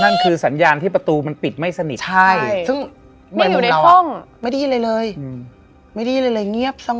นั่นคือสัญญาณที่ประตูมันปิดไม่สนิท